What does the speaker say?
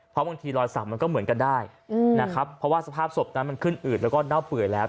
เพราะบางทีรอยสักมันก็เหมือนกันได้นะครับเพราะว่าสภาพศพนั้นมันขึ้นอืดแล้วก็เน่าเปื่อยแล้ว